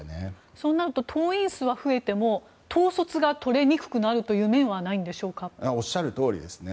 そうなると党員数は増えても統率を取りにくくなるという面はおっしゃるとおりですね。